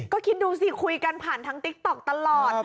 ก็คิดดูสิคุยกันผ่านทางติ๊กต๊อกตลอด